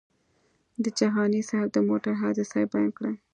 د جهاني صاحب د موټر حادثه یې بیان کړه.